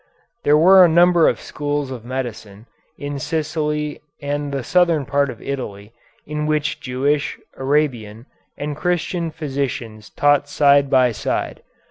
There were a number of schools of medicine, in Sicily and the southern part of Italy, in which Jewish, Arabian, and Christian physicians taught side by side.